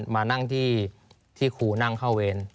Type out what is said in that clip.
มานั่งที่ครูนั่งเข้าเวร